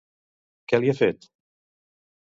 Què li ha fet?